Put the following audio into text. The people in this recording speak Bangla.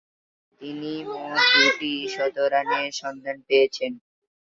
তিনি মোট দুইটি শতরানের সন্ধান পেয়েছেন।